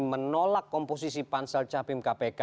menolak komposisi pansel capim kpk